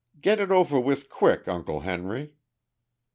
Get it over with quick, Uncle Henry!"